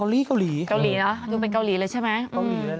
เกาหลีเนอะดูเป็นเกาหลีเลยใช่ไหม